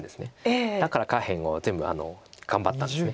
だから下辺を全部頑張ったんです。